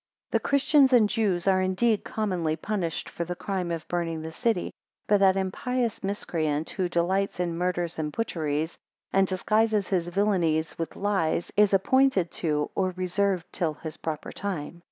6 The Christians and Jews are indeed commonly punished for the crime of burning the city; but that impious miscreant, who delights in murders and butcheries, and disguises his villainies with lies, is appointed to, or reserved till, his proper time.